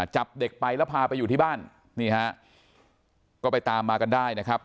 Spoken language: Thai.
จับเด็กไปแล้วพาไปอยู่ที่บ้านนี่ฮะก็ไปตามมากันได้นะครับ